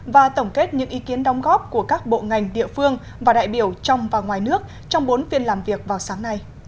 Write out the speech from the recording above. và tổng kết những ý kiến đóng góp của các bộ ngành địa phương và đại biểu trong và ngoài nước trong bốn phiên làm việc vào sáng nay